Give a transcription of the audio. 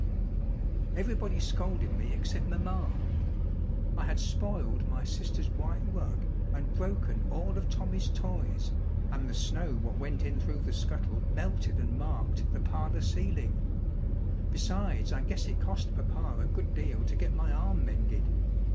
Everybody scolded me excep' mamma. I had spoiled my sister's white rug and broken all of Tommy's toys, and the snow what went in through the scuttle melted and marked the parlor ceiling, besides I guess it cost papa a good deal to get my arm mended.